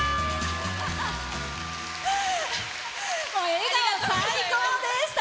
笑顔、最高でした！